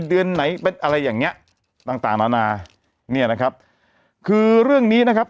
เดือนไหนเป็นอะไรอย่างเงี้ยต่างต่างนานาเนี่ยนะครับคือเรื่องนี้นะครับ